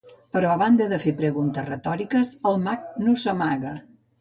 Però a banda de fer preguntes retòriques, el mag no s'amaga.